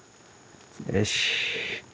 よし！